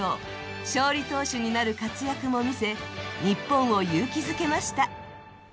勝利投手になる活躍も見せ、日本を勇気づけました。